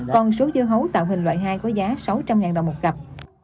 còn số dư hấu tạo hình loại hai có giá sáu trăm linh ngàn đồng một cặp